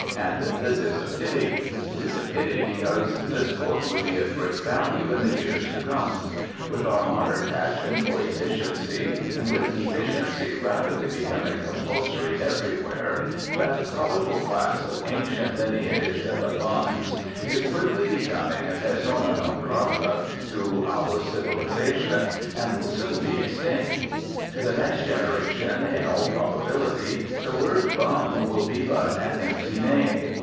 And this is a pity. It is a pity because this book would be of great value in the years to come. With our modern passion for efficiency, and with efficiency rapidly becoming compulsory everywhere, that colourful class of ancient lineage, the bums, is quickly becoming persona non grata to our civilisation, and will soon be extinct. To the next generation, in all probability, the word bum will be but an empty name.